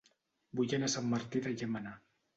Vull anar a Sant Martí de Llémena